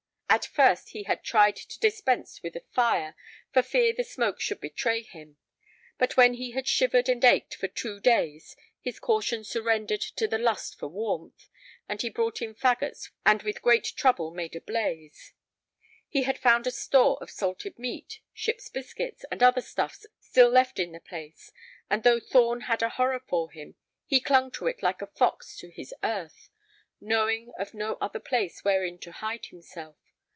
At first he had tried to dispense with a fire for fear the smoke should betray him, but when he had shivered and ached for two days his caution surrendered to the lust for warmth, and he brought in fagots and with great trouble made a blaze. He had found a store of salted meat, ship's biscuits, and other stuffs still left in the place, and though Thorn had a horror for him, he clung to it like a fox to his "earth," knowing of no other place wherein to hide himself.